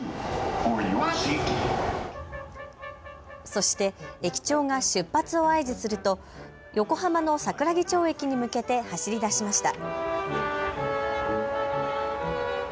そして駅長が出発を合図すると横浜の桜木町駅に向けて走り出しました。